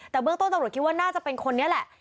แต่เบื้องต้นตำรวจคิดว่าน่าจะเป็นคนนี้แหละ